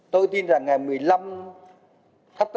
tôi tin rằng ngày một mươi chín tháng năm